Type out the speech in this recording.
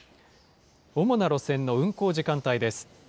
主な路線の運行時間帯です。